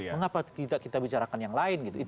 mengapa tidak kita bicarakan yang lain gitu